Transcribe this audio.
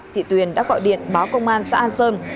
chị tuyền đã gọi điện báo công an xã an sơn